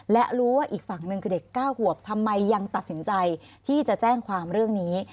และรู้ว่าอีกฝั่งหนึ่งคือเด็ก๙ขวบทำไมยังตัดสินใจที่จะแจ้งความเรื่องนี้